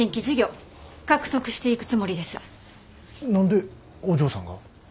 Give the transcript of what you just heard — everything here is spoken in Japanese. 何でお嬢さんが？